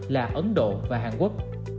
là ấn độ và hàn quốc